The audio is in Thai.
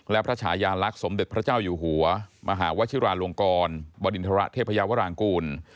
และพระฉายาลักษณ์สมเด็จพระเจ้าอยู่หัวมหาวชิราลงกรบดินทรเทพยาวรางกูล